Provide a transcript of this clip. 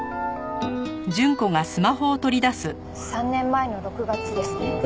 ３年前の６月ですね？